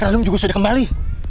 ranum juga sudah kembali